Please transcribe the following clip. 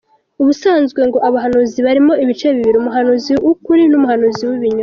Ubusanzwe ngo abahanuzi barimo ibice bibiri, umuhanuzi w’ukuri n’umuhanuzi w’ibinyoma.